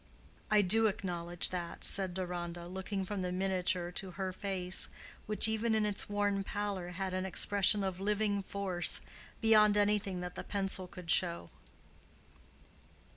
"I do acknowledge that," said Deronda, looking from the miniature to her face, which even in its worn pallor had an expression of living force beyond anything that the pencil could show.